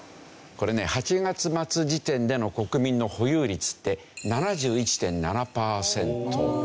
これね８月末時点での国民の保有率って７１．７パーセント。